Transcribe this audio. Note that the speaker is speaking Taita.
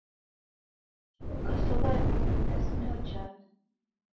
Ukasowa vindo udasinda njala